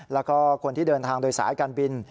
แล้วก็คนที่เดินทางโดยสายการบิน